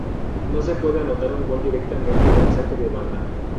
No se puede anotar un gol directamente de un saque de banda.